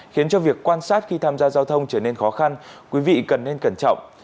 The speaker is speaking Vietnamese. khiến cho việc quan sát khi tham gia giao thông trở nên khó khăn quý vị cần nên cẩn trọng